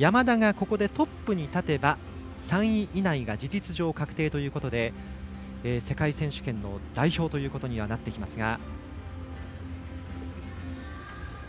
山田がここでトップに立てば３位以内が事実上確定ということで世界選手権の代表ということにはなってきますが。